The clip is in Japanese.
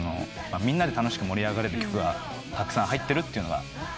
みんなで楽しく盛り上がれる曲がたくさん入ってるというのが思い出に残ってます。